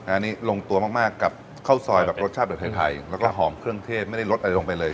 อันนี้ลงตัวมากกับข้าวซอยแบบรสชาติแบบไทยแล้วก็หอมเครื่องเทศไม่ได้ลดอะไรลงไปเลย